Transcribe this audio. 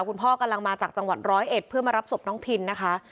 กำลังมาจากจังหวัดร้อยเอ็ดเพื่อมารับศพน้องพินนะคะ